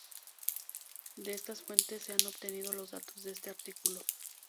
De estas fuentes se han obtenido los datos de este artículo.